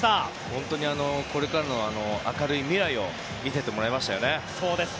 本当にこれからの明るい未来を見せてもらいましたよね。